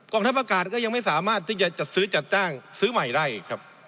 กองทัพอากาศก็ยังไม่สามารถจะซื้อจัดจ้างซื้อใหม่ได้ครับ